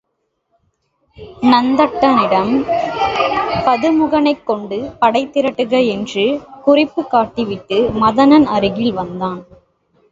நந்தட்டனிடம் பதுமுகனைக் கொண்டு படை திரட்டுக என்று குறிப்புக் காட்டிவிட்டு மதனன் அருகில் வந்தான்.